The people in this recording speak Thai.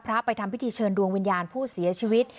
ไปทำพิธีเชิญดวงวิญญาณผู้เสียชีวิต